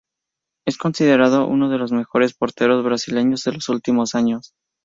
Es considerado uno de los mejores porteros brasileños de los últimos años.